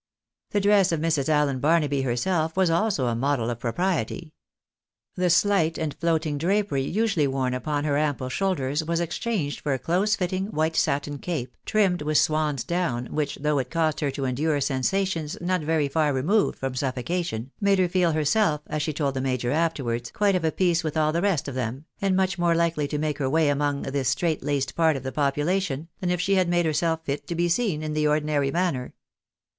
The dress of Mrs. Allen Barnaby herself was also a model of propriety. The slight and floating drapery usually worn upon her ample shoulders was exchanged for a close fitting, white satin cape, trimmed with swan's down, which, though it caused her to endure sensations not very far removed from suffocation, made her feel herself, as she told the major afterwards, quite of a piece with all the rest of them, and much more likely to make her way among this straitlaced part of the population, than if she had made herself " fit to be seen," in the ordinary manner.